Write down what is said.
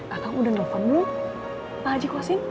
aku sudah nufan dulu pak haji kosing